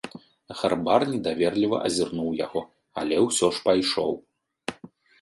Гарбар недаверліва азірнуў яго, але ўсё ж пайшоў.